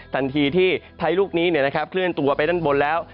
ทันทีที่พายุลูกนี้เคลื่อนตัวไปด้านบนแล้ว